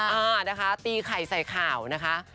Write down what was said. อ่านะคะตีไข่ใส่ข่าวนะคะ